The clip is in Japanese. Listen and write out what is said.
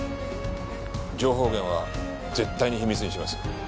情報源は絶対に秘密にします。